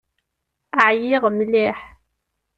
Ɛyiɣ mliḥ.